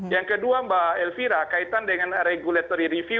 yang kedua mbak elvira kaitan dengan regulatory review